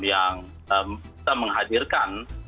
yang kita menghadirkan